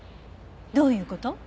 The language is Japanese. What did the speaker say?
どういう事？